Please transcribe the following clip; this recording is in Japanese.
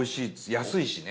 安いしね。